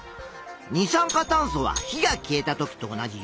二酸化炭素は火が消えた時と同じ４％。